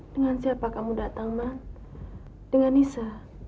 dengan siapa kamu datang dengan nisa